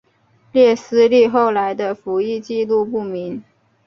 列斯利后来的服役纪录不明。